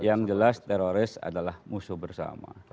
yang jelas teroris adalah musuh bersama